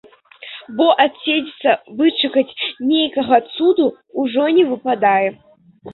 Бо адседзецца, вычакаць нейкага цуду ўжо не выпадае.